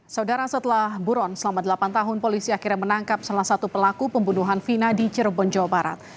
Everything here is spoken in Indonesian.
saudara setelah buron selama delapan tahun polisi akhirnya menangkap salah satu pelaku pembunuhan vina di cirebon jawa barat